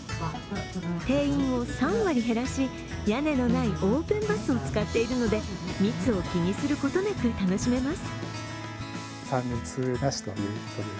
定員を３割減らし、屋根のないオープンバスを使っているので密を気にすることなく楽しめます。